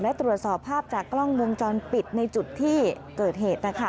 และตรวจสอบภาพจากกล้องวงจรปิดในจุดที่เกิดเหตุ